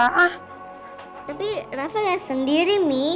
tapi rafa gak sendiri mi